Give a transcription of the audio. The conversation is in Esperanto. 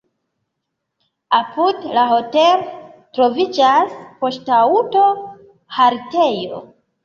Apud la hotelo troviĝas poŝtaŭto-haltejo.